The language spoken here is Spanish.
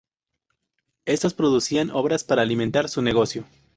Estos producían obras para alimentar su negocio.